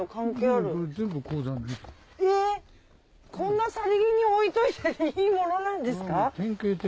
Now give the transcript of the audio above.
なさりげに置いといてていいものなんですか？